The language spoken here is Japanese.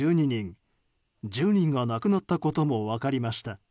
１０人が亡くなったことも分かりました。